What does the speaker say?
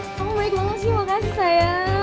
kamu baik banget sih makasih saya